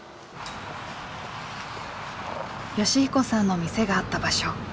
善彦さんの店があった場所。